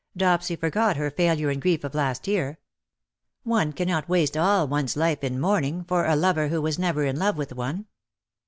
Dopsy forgot her failure and grief of last year. One cannot waste all one's life in mourning for a lover who was never in love with one.